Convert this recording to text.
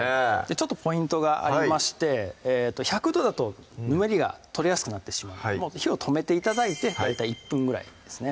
ちょっとポイントがありまして１００度だとぬめりが取れやすくなってしまう火を止めて頂いて大体１分ぐらいですね